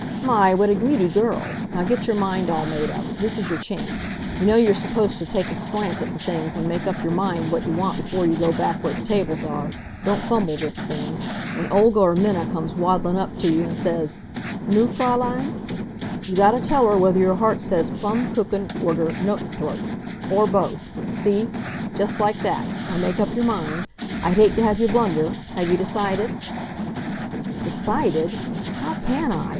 "My, what a greedy girl! Now get your mind all made up. This is your chance. You know you're supposed t' take a slant at th' things an' make up your mind w'at you want before you go back w'ere th' tables are. Don't fumble this thing. When Olga or Minna comes waddlin' up t' you an' says: 'Nu, Fraulein?' you gotta tell her whether your heart says plum kuchen oder Nusstorte, or both, see? Just like that. Now make up your mind. I'd hate t' have you blunder. Have you decided?" "Decided! How can I?"